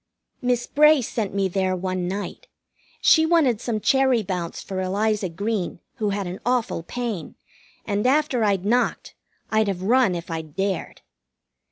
Miss Bray sent me there one night. She wanted some cherry bounce for Eliza Green, who had an awful pain, and after I'd knocked, I'd have run if I'd dared.